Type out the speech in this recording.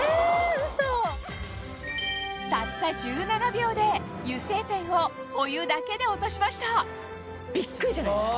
たった１７秒で油性ペンをお湯だけで落としましたビックリじゃないですか？